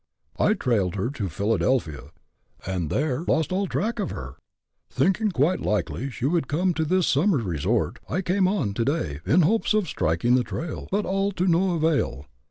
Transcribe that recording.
I trailed her to Philadelphia, and there lost all track of her. Thinking quite likely she would come to this summer resort, I came on, to day, in hopes of striking the trail, but all to no avail.